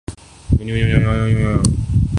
یعنی وہ نچلے درجے کے شہری رہیں گے۔